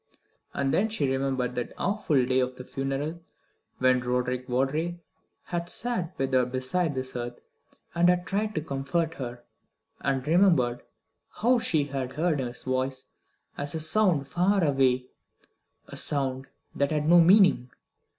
And then she remembered that awful day of the funeral when Roderick Vawdrey had sat with her beside this hearth, and had tried to comfort her, and remembered how she had heard his voice as a sound far away, a sound that had no meaning.